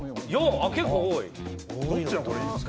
結構、多い！